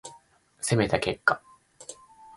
攻めた結果